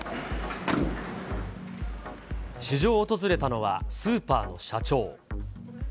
市場を訪れたのはスーパーの社長。